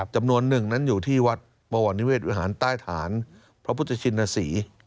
จำนวนนึงนั้นอยู่ที่วัดบวรนิเวศวิหารต้ายฐานพระพุทธชินศรี